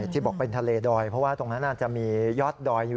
ที่บอกเป็นทะเลดอยเพราะว่าตรงนั้นอาจจะมียอดดอยอยู่